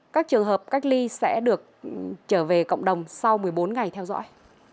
các trường hợp cách ly sẽ được trở về cộng đồng sau một mươi bốn ngày theo dõi